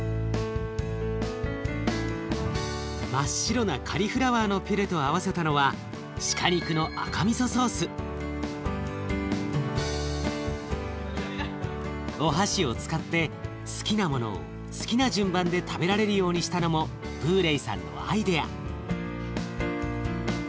真っ白なカリフラワーのピュレと合わせたのはお箸を使って好きなものを好きな順番で食べられるようにしたのもブーレイさんのアイデア。